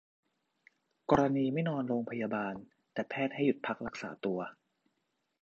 กรณีไม่นอนโรงพยาบาล แต่แพทย์ให้หยุดพักรักษาตัว